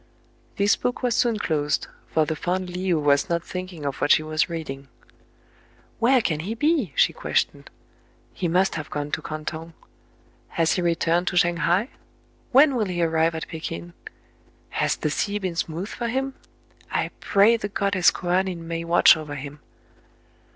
lL. \ This book was soon closed ; for the fond Le ou was not thinking of what she was reading. "Where can he be.?" she questioned. He must have gone to Canton. Has he returned to Shang hai ? When will he arrive at Pekin } Has the sea been smooth for him ? I pray the goddess Koanine may watch over him.